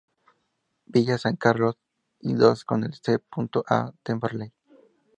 Villa San Carlos y dos con el C. A. Temperley.